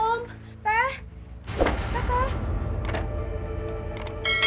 kamu tahan anak ya